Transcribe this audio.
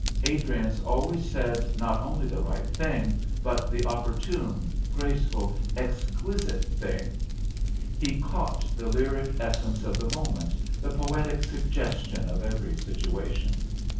Adriance always said not only the right thing, but the opportune, graceful, exquisite thing. He caught the lyric essence of the moment, the poetic suggestion of every situation.